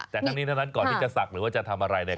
แต่ทั้งนี้ทั้งนั้นก่อนที่จะศักดิ์หรือว่าจะทำอะไรเนี่ย